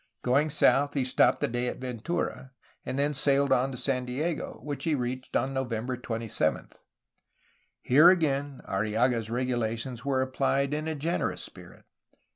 Going south he stopped a day at Ventura, and then sailed on to San Diego, which he reached on November 27. Here again Arrillaga's regulations were applied in a generous spirit.